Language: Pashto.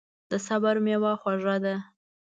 د صبر میوه خوږه ده.